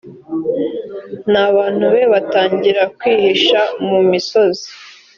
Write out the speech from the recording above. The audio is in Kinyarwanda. n abantu be batangira kwihisha mu misozi